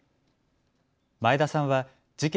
前田さんは事件